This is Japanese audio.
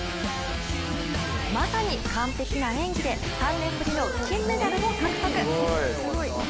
まさに完璧な演技で３年ぶりの金メダルを獲得。